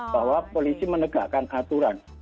bahwa polisi menegakkan aturan